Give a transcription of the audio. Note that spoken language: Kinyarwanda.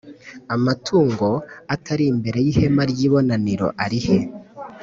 amatungo atari imbere y ihema ry ibonaniro arihe